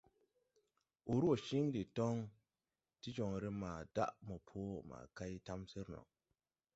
Ur gɔ ciŋ de ton ti joŋre ma daʼ mɔpɔ ma kay tamsir no.